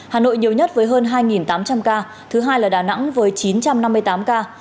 hà nội nhiều nhất với hơn hai tám trăm linh ca thứ hai là đà nẵng với chín trăm năm mươi tám ca